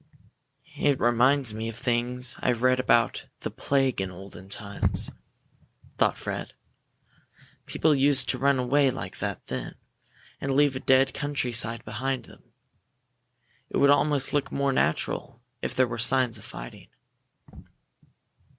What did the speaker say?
"It reminds me of things I've read about the plague in olden times," thought Fred. "People used to run away like that then, and leave a dead countryside behind them. It would almost look more natural if there were signs of fighting."